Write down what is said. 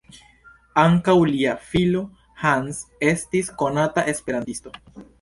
Ankaŭ lia filo Hans estis konata esperantisto.